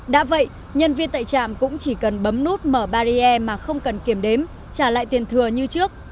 đã vậy nhân viên tại trạm cũng chỉ cần bấm nút mở barrier mà không cần kiểm đếm trả lại tiền thừa như trước